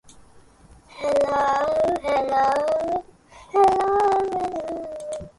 The program was introduced and became so popular it was soon adopted across Canada.